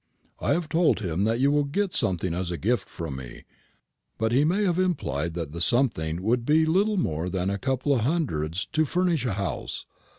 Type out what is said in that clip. I have told him that you will get something as a gift from me; but he may have implied that the something would be little more than a couple of hundreds to furnish a house.